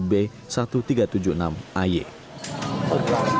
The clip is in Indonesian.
identitasnya sendiri atas nama siapa sih